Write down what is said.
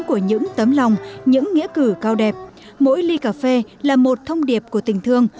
của những tấm lòng những nghĩa cử cao đẹp mỗi ly cà phê là một thông điệp của tình thương